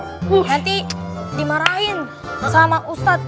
nanti dimarahin sama ustadz